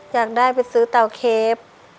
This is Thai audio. อยากได้ไปซื้อเตาเคฟ